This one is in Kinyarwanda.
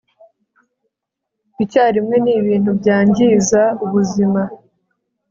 icyarimwe ni ibintu byangiza ubuzima